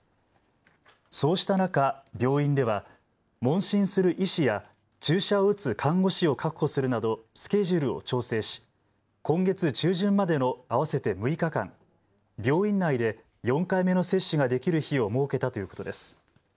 そうした中、病院では問診する医師や注射を打つ看護師を確保するなどスケジュールを調整し、今月中旬までの合わせて６日間、病院内で４回目の接種ができる日を設けたということです。